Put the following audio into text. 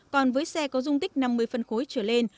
còn với xe có dung tích năm mươi phân khối trở lên